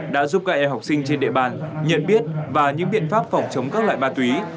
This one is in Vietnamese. đã giúp các em học sinh trên địa bàn nhận biết và những biện pháp phòng chống các loại ma túy